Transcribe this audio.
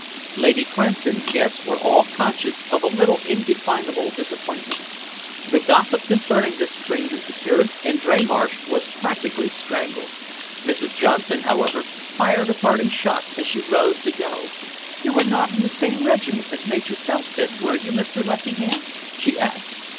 Lady Cranston's guests were all conscious of a little indefinable disappointment. The gossip concerning this stranger's appearance in Dreymarsh was practically strangled. Mrs. Johnson, however, fired a parting shot as she rose to go. "You were not in the same regiment as Major Felstead, were you, Mr. Lessingham?" she asked.